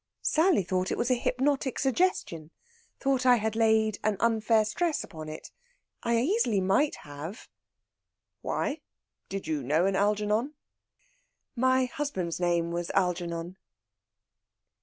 "Sally thought it was hypnotic suggestion thought I had laid an unfair stress upon it. I easily might have." "Why? Did you know an Algernon?" "My husband's name was Algernon."